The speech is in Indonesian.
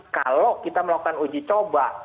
kalau kita melakukan uji coba